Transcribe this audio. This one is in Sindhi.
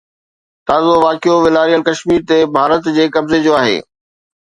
تازو واقعو والاريل ڪشمير تي ڀارت جي قبضي جو آهي.